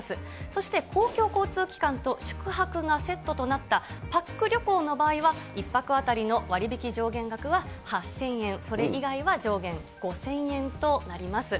そして公共交通機関と宿泊がセットとなったパック旅行の場合は、１泊当たりの割引上限額は８０００円、それ以外は上限５０００円となります。